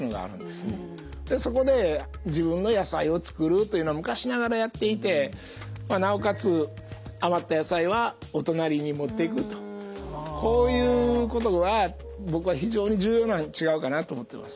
そこで自分の野菜を作るっていうのは昔ながらやっていてなおかつ余った野菜はお隣に持っていくとこういうことは僕は非常に重要なん違うかなと思ってます。